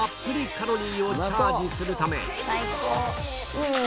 うん！